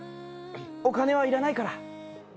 お金は要らないから。